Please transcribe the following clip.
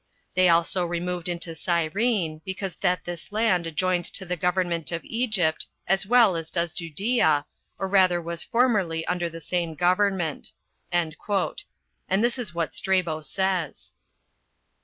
They also removed into Cyrene, because that this land adjoined to the government of Egypt, as well as does Judea, or rather was formerly under the same government." And this is what Strabo says.